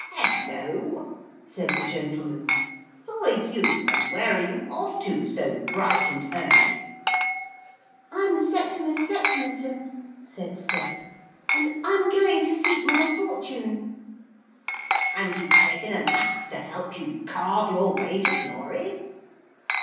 'Hullo!' said the gentleman. 'Who are you, and where are you off to so bright and early?' 'I'm Septimus Septimusson,' said Sep, 'and I'm going to seek my fortune.' 'And you've taken an axe to help you carve your way to glory?'